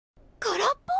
空っぽ！？